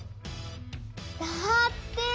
だって！